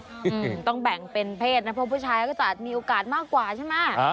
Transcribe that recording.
อืมต้องแบ่งเป็นเพศนะเพราะผู้ชายก็จะมีโอกาสมากกว่าใช่ไหมอ่า